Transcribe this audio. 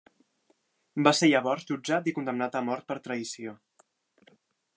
Va ser llavors jutjat i condemnat a mort per traïció.